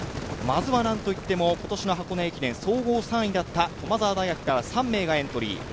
まずは何といっても今年の箱根駅伝総合３位だった駒澤大学から３名がエントリー。